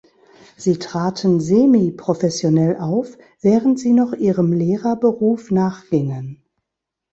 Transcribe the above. Sie traten semiprofessionell auf, während sie noch ihrem Lehrerberuf nachgingen.